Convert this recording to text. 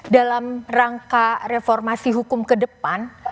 dalam rangka reformasi hukum ke depan